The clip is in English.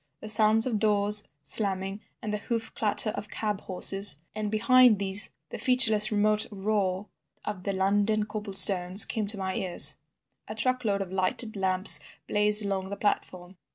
The sounds of doors slamming, and the hoof clatter of cab horses, and behind these things the featureless remote roar of the London cobble stones, came to my ears. A truckload of lighted lamps blazed along the platform.